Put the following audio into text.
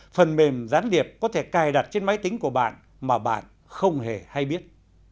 phần mềm gián điệp có thể cài đặt trên máy tính của bạn mà bạn không hề hay biết